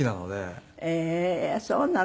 そうなの。